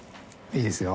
いいですよ